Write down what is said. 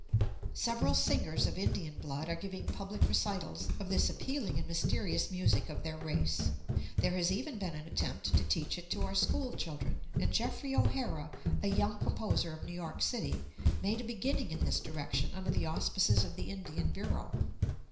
Several singers of Indian blood are giving public recitals of this appealing and mysterious music of their race. There has even been an attempt to teach it to our schoolchildren, and Geoffrey O'Hara, a young composer of New York City, made a beginning in this direction under the auspices of the Indian Bureau.